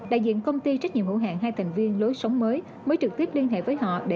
đại diện công ty trách nhiệm hữu hạng hai thành viên lối sống mới mới trực tiếp liên hệ với họ